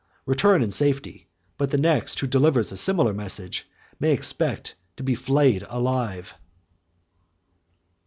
Return in safety—but the next who delivers a similar message may expect to be flayed alive."